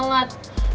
enak terus dua tuh